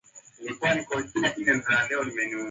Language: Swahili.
ya kitaaluma kulinda mipaka ya nchi